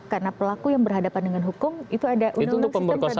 karena pelaku yang berhadapan dengan hukum itu ada undang undang sistem peradilan